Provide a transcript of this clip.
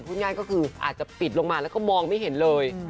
พูดง่ายก็คืออาจจะปิดลงมาแล้วก็มองไม่เห็นเลย